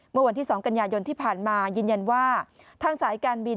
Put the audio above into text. เมื่อวันที่๒กันยายนที่ผ่านมายืนยันว่าทางสายการบิน